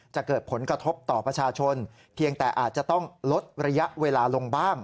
จะเกิดผลกระทบต่อประชาชนเพียงแต่อาจจะต้องลดระยะเวลาลงบ้าง